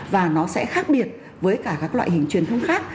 và nó sẽ khác biệt với cả các loại hình truyền thông khác